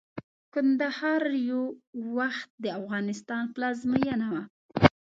کندهار يٶوخت دافغانستان پلازمينه وه